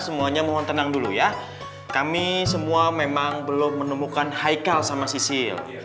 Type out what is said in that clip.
semuanya mohon tenang dulu ya kami semua memang belum menemukan haikal sama sisil